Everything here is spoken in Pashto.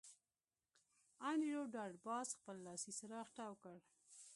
انډریو ډاټ باس خپل لاسي څراغ تاو کړ